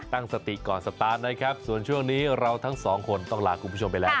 ตั้งสติก่อนสตาร์ทนะครับส่วนช่วงนี้เราทั้งสองคนต้องลาคุณผู้ชมไปแล้ว